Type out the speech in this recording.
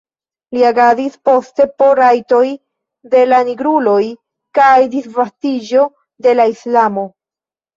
Li agadis poste por rajtoj de la nigruloj kaj disvastiĝo de la islamo.